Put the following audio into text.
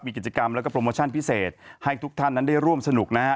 มีกิจกรรมแล้วก็โปรโมชั่นพิเศษให้ทุกท่านนั้นได้ร่วมสนุกนะฮะ